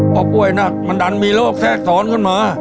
พอป่วยหนักมันดันมีโรคแทรกซ้อนขึ้นมา